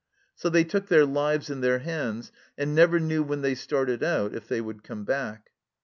So they took their lives in their hands, and never knew when they started out if they would come back.